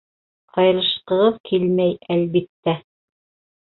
Айырылышҡығыҙ килмәй, әлбиттә.